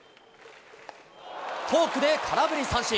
フォークで空振り三振。